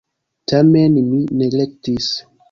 Tamen mi neglektis.